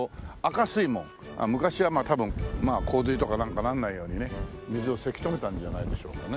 昔は多分洪水とかなんかならないようにね水をせき止めたんじゃないでしょうかね。